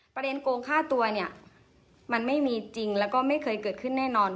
โกงฆ่าตัวเนี่ยมันไม่มีจริงแล้วก็ไม่เคยเกิดขึ้นแน่นอน